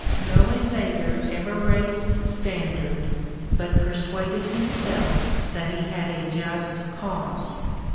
No invader ever raised standard, but persuaded himself that he had a just cause.